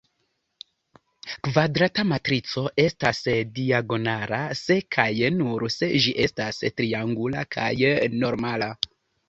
Kvadrata matrico estas diagonala se kaj nur se ĝi estas triangula kaj normala.